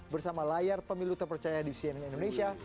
bersama layar pemilu terpercaya di cnn indonesia